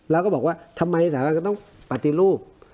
แล้วก็บอกว่าทำไมสหรัฐก็ต้องปฏิรูป